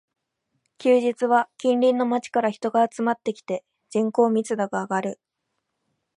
休日は近隣の街から人が集まってきて、人口密度が上がる